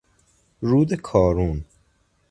رود کارون